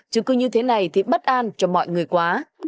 chứ cứ như thế này thì bất an cho mọi người quá